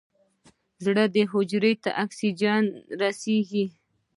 د زړه حجرو ته اکسیجن نه رسېږي.